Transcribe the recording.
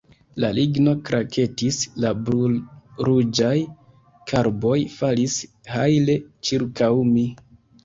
La ligno kraketis; la brulruĝaj karboj falis hajle ĉirkaŭ mi.